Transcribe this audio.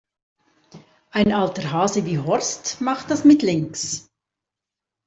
Ein alter Hase wie Horst macht das mit links.